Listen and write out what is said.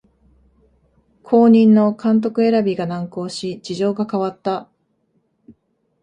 後任の監督選びが難航し事情が変わった